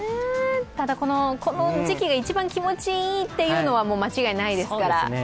ただ、この時期が一番気持ちいいのは間違いないですから。